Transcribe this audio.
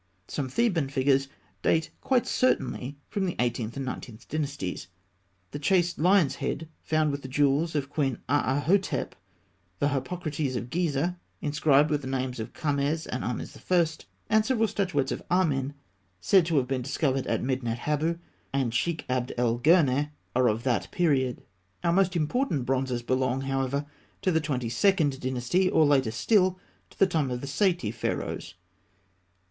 Some Theban figures date quite certainly from the Eighteenth and Nineteenth Dynasties. The chased lion's head found with the jewels of Queen Aahhotep, the Harpocrates of Gizeh inscribed with the names of Kames and Ahmes I., and several statuettes of Amen, said to have been discovered at Medinet Habû and Sheikh Abd el Gûrneh, are of that period. Our most important bronzes belong, however, to the Twenty second Dynasty, or, later still, to the time of the Saïte Pharaohs.